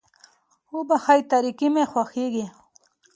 وبښئ تاريکي مې خوښېږي.